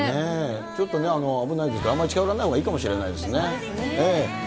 ちょっと危ないですから、あまり近寄らないほうがいいかもしれませんね。